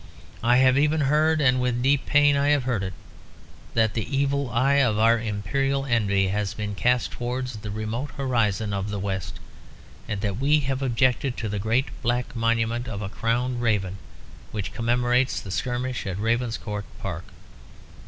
I have even heard, and with deep pain I have heard it, that the evil eye of our imperial envy has been cast towards the remote horizon of the west, and that we have objected to the great black monument of a crowned raven, which commemorates the skirmish of Ravenscourt Park.